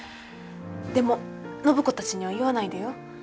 でも暢子たちには言わないでよ。